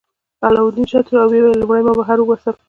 علاوالدین شاته شو او ویې ویل لومړی ما بهر وباسه.